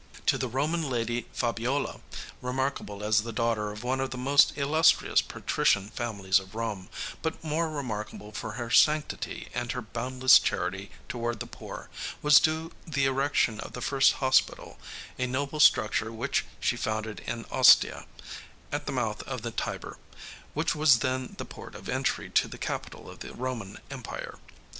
To the Roman lady Fabiola, remarkable as the daughter of one of the most illustrious patrician families of Rome, but more remarkable for her sanctity and her boundless charity toward the poor, was due the erection of the first hospital a noble structure which she founded in Ostia, at the mouth of the Tiber, which was then the port of entry to the capital of the Roman empire.